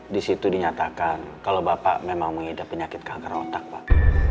disitu dinyatakan kalau bapak memang menghidap penyakit kanker otak pak